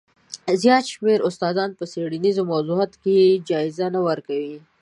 زیات شمېر استادان په څېړنیزو موضوعاتو کې اجازه نه ورکوي.